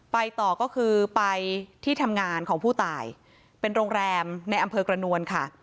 ไปต่อก็คือไปที่ทำงานของผู้ตายเป็นโรงแรมในอำเภอกระนวลค่ะ